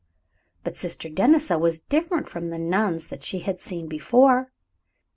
But Sister Denisa was different from the nuns that she had seen before.